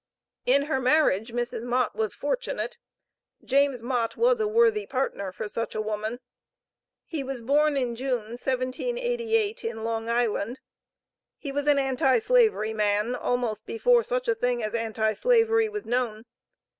In her marriage, Mrs. Mott was fortunate. James Mott was a worthy partner for such a woman. He was born in June, 1788, in Long Island. He was an anti slavery man, almost before such a thing as anti slavery was known.